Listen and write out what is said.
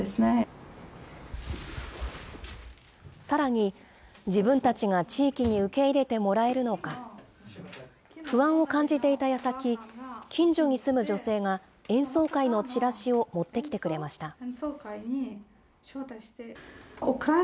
さらに、自分たちが地域に受け入れてもらえるのか、不安を感じていたやさき、近所に住む女性が演奏会のチラシを持ってきてくれました。